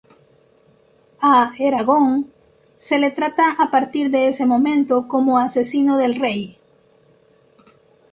A Eragon se le trata a partir de ese momento como Asesino de Rey.